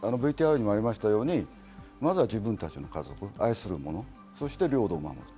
ＶＴＲにもあったように、まずは自分たちの家族、愛するもの、そして領土を守る。